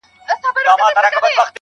وموږ تې سپكاوى كاوه زموږ عزت يې اخيست.